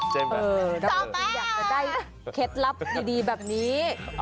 ชอบอยากจะได้เคล็ดลับดีแบบนี้